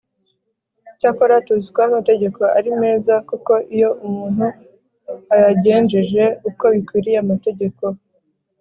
Icyakora tuzi ko amategeko ari meza koko iyo umuntu ayagenjeje uko bikwiriye amategeko